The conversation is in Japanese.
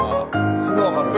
すぐ分かる。